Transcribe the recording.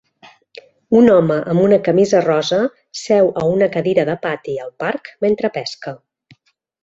Un home amb una camisa rosa seu a una cadira de pati al parc mentre pesca.